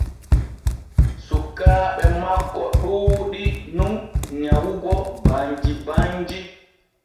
Sukaaɓe makko ɗuuɗu nun nyawugo banji banji.